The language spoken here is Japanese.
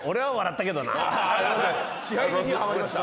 支配人にはまりました。